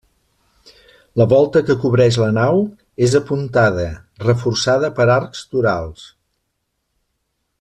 La volta que cobreix la nau és apuntada, reforçada per arcs torals.